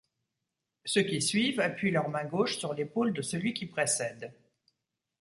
Ceux qui suivent appuient leur main gauche sur l'épaule de celui qui précède.